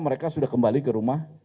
mereka sudah kembali ke rumah